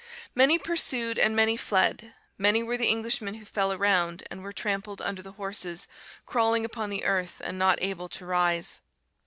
Many pursued and many fled; many were the Englishmen who fell around, and were trampled under the horses, crawling upon the earth, and not able to rise.